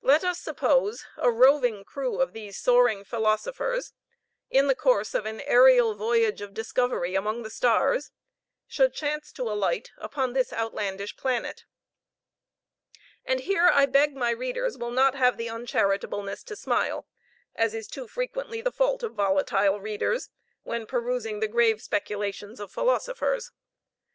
Let us suppose a roving crew of these soaring philosophers, in the course of an aerial voyage of discovery among the stars, should chance to alight upon this outlandish planet. And here I beg my readers will not have the uncharitableness to smile, as is too frequently the fault of volatile readers, when perusing the grave speculations of philosophers.